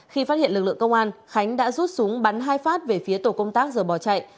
khi phát hiện lực lượng công an khánh đã rút súng bắn hai phát về phía tổ công tác rồi bỏ chạy